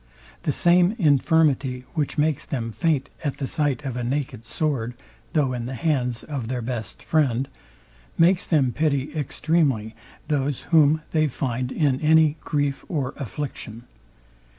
The same infirmity, which makes them faint at the sight of a naked sword, though in the hands of their best friend, makes them pity extremely those, whom they find in any grief or affliction.